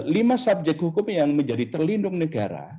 lima subjek hukum yang menjadi terlindung negara